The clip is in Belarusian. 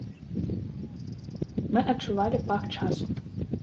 Мы адчувалі пах часу.